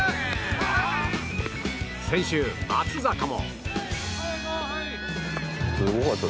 先週、松坂も。